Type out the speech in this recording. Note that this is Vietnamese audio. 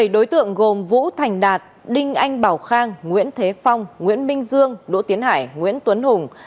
bảy đối tượng gồm vũ thành đạt đinh anh bảo khang nguyễn thế phong nguyễn minh dương đỗ tiến hải nguyễn tuấn hùng